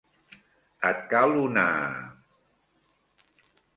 Et cal una...?